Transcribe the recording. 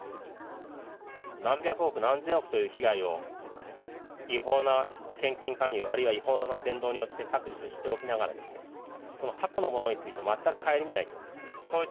何百億、何千億という被害を、違法な献金、勧誘、あるいは違法な伝道によって搾取しておきながら、その過去のものについてまったく顧みないと。